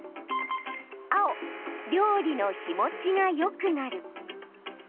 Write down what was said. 青・料理の日もちがよくなる。